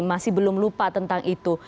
masih belum lupa tentang itu